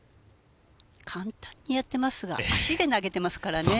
簡単にやってますが足で投げてますからね。